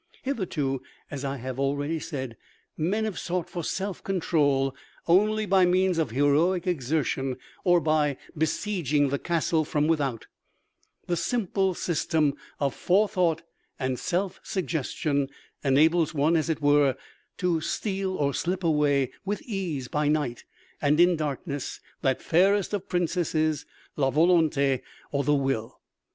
Hitherto, as I have already said, men have sought for self control only by means of heroic exertion, or by besieging the castle from without; the simple system of Forethought and Self Suggestion enables one, as it were, to steal or slip away with ease by night and in darkness that fairest of princesses, La Volonté, or the Will.